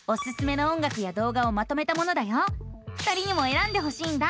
２人にもえらんでほしいんだ。